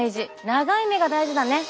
長い目が大事だね。